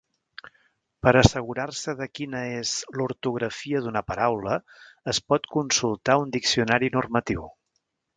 Per assegurar-se de quina és l'ortografia d'una paraula es pot consultar un diccionari normatiu.